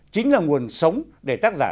chính là nguồn sống để tác giả